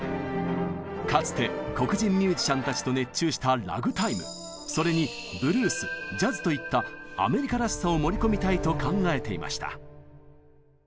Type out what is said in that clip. かつて黒人ミュージシャンたちと熱中したラグタイムそれにブルースジャズといったアメリカらしさを盛り込みたいと考えていました。